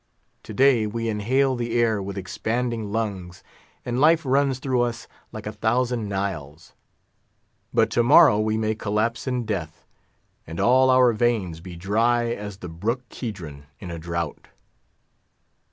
To day we inhale the air with expanding lungs, and life runs through us like a thousand Niles; but to morrow we may collapse in death, and all our veins be dry as the Brook Kedron in a drought.